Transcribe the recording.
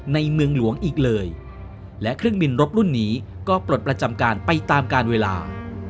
ในเมืองหลวงอีกเลยและเครื่องบินรบรุ่นนี้ก็ปลดประจำการไปตามการเวลา